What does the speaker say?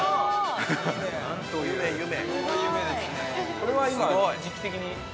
◆これは今、時期的に？